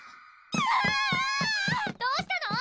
どうしたの？